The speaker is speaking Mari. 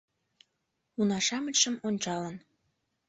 Уна-шамычшым ончалын